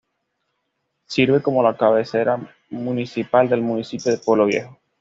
Sirve como la cabecera municipal del municipio de Pueblo Viejo.